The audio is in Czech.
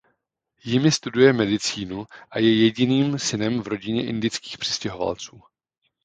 Jimi studuje medicínu a je jediným synem v rodině indických přistěhovalců.